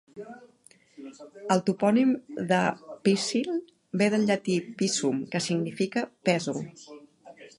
El topònim de Pishill ve del llatí "pisum", que significa pèsol.